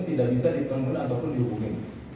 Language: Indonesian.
tidak bisa ditanggulangi ataupun dihubungi